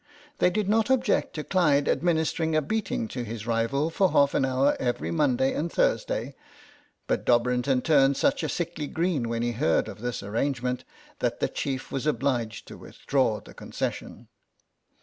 They did not object to Clyde administering a beating to his rival for half an hour every Monday and Thursday, but Dobrinton turned such a sickly green when he heard of this arrangement that the chief was obliged to withdraw the concession.